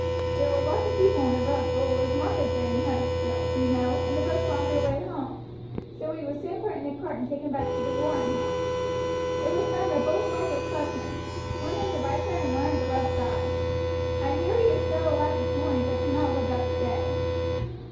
There were lots of people in the road, for it was market day in Huddersfield, you know, and the folks were on their way home, so he was soon put in a cart and taken back to the Warren House. It was found that both balls had struck him, one in the right side and one in the left thigh. I hear he is still alive this morning, but cannot live out the day."